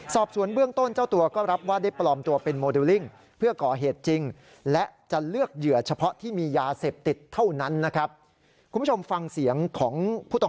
สอบส่วนเบื้องต้นเจ้าตัวก็รับว่าได้ปลอมตัวเป็นโมเดัลลิง